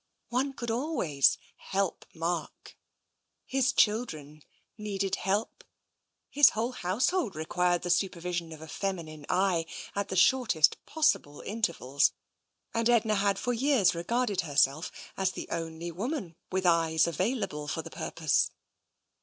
One could always help Mark. His children needed help. His whole household required the supervision of a feminine eye at the shortest possible intervals, and Edna had for years regarded herself as the only woman with eyes available for the purpose.